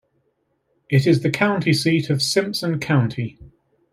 It is the county seat of Simpson County.